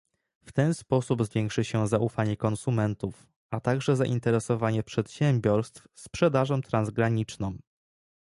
W ten sposób zwiększy się zaufanie konsumentów, a także zainteresowanie przedsiębiorstw sprzedażą transgraniczną